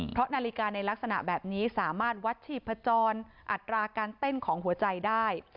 เพราะนาฬิกาในลักษณะแบบนี้สามารถวัดชีพจรอัตราการเต้นของหัวใจได้